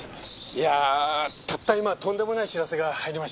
いやあたった今とんでもない知らせが入りましてね。